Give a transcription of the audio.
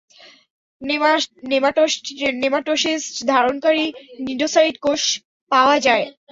Nematocyst ধারণকারী cnidocyte কোষ পাওয়া যায়।